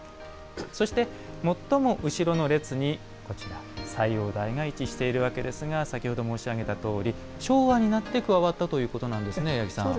そして、もっとも後ろの列にこちら、斎王代が位置しているわけですが先ほど申し上げたとおり昭和になって加わったということそうですね。